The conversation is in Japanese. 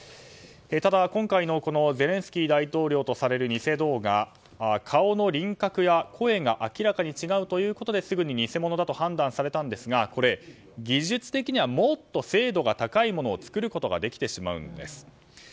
ただ、今回のゼレンスキー大統領とされる偽動画顔の輪郭や声が明らかに違うということですぐに偽物だと判断されたんですが技術的にはもっと精度が高いものを作ることができてしまうんです。